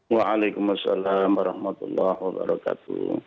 waalaikumsalam warahmatullahi wabarakatuh